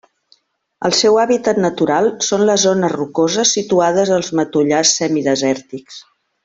El seu hàbitat natural són les zones rocoses situades als matollars semidesèrtics.